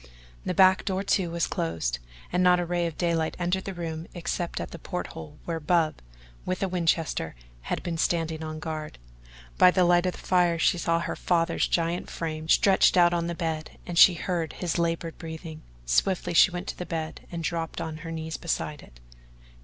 The back door, too, was closed, and not a ray of daylight entered the room except at the port hole where Bub, with a Winchester, had been standing on guard. By the light of the fire she saw her father's giant frame stretched out on the bed and she heard his laboured breathing. Swiftly she went to the bed and dropped on her knees beside it.